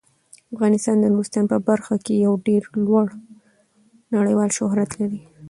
افغانستان د نورستان په برخه کې یو ډیر لوړ نړیوال شهرت لري.